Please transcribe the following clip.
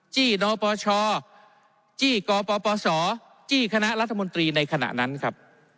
ี้นปชจี้กปปศจี้คณะรัฐมนตรีในขณะนั้นครับ